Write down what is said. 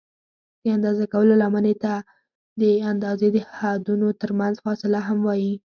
د اندازه کولو لمنې ته د اندازې د حدونو ترمنځ فاصله هم وایي.